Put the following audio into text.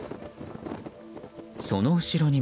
その後ろにも。